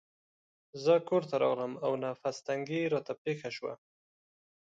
زه کورته راغلم او نفس تنګي راته پېښه شوه.